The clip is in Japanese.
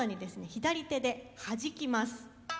左手ではじきます。